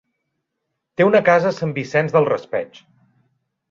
Té una casa a Sant Vicent del Raspeig.